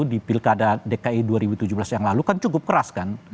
di pilkada dki dua ribu tujuh belas yang lalu kan cukup keras kan